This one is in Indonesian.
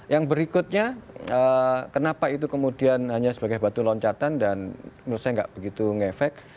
yang berikutnya kenapa itu kemudian hanya sebagai batu loncatan dan menurut saya nggak begitu ngefek